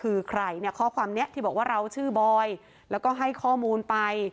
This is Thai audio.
เรื่องของการรุมโทรม๑๔คนในปันก็ยืนยันว่าผมจะไปเรียกชาย๑๔คนได้ยังไง